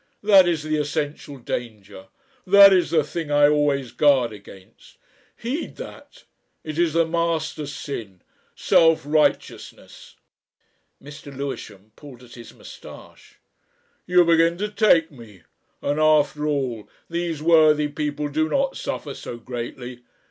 That is the essential danger. That is the thing I always guard against. Heed that! It is the master sin. Self righteousness." Mr. Lewisham pulled at his moustache. "You begin to take me. And after all, these worthy people do not suffer so greatly.